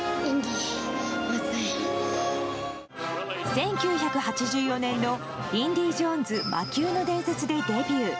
１９８４年の「インディ・ジョーンズ／魔宮の伝説」でデビュー。